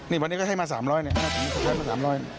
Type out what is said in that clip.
นี่วันนี้ก็ให้มา๓๐๐บาทเราก็ปล่อยมา๓๐๐บาท